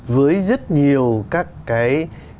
với rất nhiều các cái